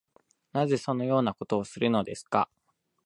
なぜそのようなことをするのですか